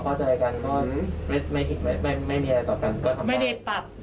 เคาะก็ไม่ได้เคาะ